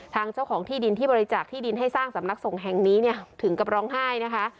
ทางเจ้าของที่ดินที่บริจาคที่ดินให้สร้างสำนักสงฆ์แห่งนี้เนี่ยถึงกับร้องไห้นะคะ